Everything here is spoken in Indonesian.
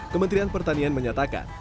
kementerian pertanian menyatakan